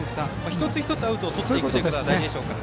一つ一つアウトをとることが大事でしょうか。